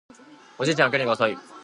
おじいちゃんは起きるのが遅い